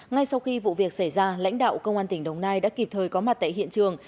ngay sau khi vụ việc xảy ra lãnh đạo công an tỉnh đồng nai đã kịp thời có mặt tại hiện trường